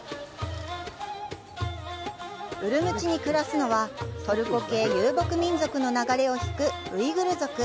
ウルムチに暮らすのは、トルコ系遊牧民族の流れを引くウイグル族。